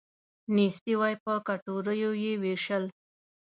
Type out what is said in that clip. نیستي وی په کټګوریو یې ویشل.